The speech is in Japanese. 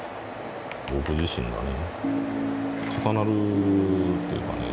ぼく自身がね重なるっていうかね